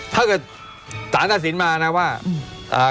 ถ้าเกิดสารตัดสินมานะว่าอ่า